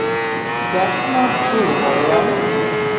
That's not true, Balaram.